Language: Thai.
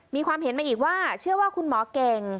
มีความเห็นมาอีกว่าเชื่อว่าคุณหมอเก่ง